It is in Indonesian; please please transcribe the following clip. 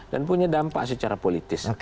dan punya dampak secara politis